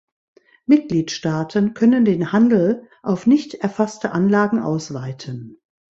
Mitgliedstaaten können den Handel auf nicht erfasste Anlagen ausweiten.